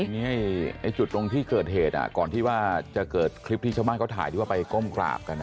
ทีนี้จุดตรงที่เกิดเหตุก่อนที่ว่าจะเกิดคลิปที่ชาวบ้านเขาถ่ายที่ว่าไปก้มกราบกัน